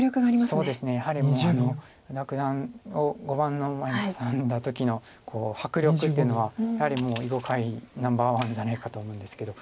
そうですねやはり依田九段を碁盤の前に挟んだ時の迫力っていうのはやはりもう囲碁界ナンバーワンじゃないかと思うんですけど。